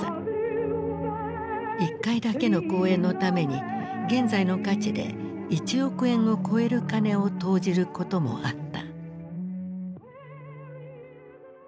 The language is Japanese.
１回だけの公演のために現在の価値で１億円を超える金を投じることもあった。